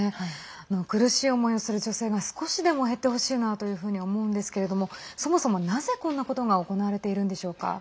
苦しい思いをする女性が少しでも減ってほしいなというふうに思うんですけれどもそもそも、なぜこんなことが行われているんでしょうか。